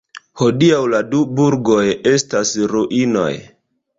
Hodiaŭ la du burgoj estas ruinoj.